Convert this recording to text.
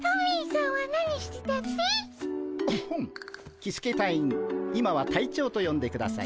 キスケ隊員今は隊長とよんでください。